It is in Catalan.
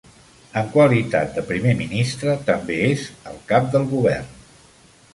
En qualitat de primer ministre, també és el cap del govern.